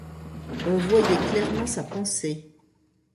On voyait clairement sa pensée.